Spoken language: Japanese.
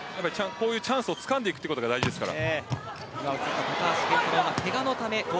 チャンスをつかんでいくことが大事ですから。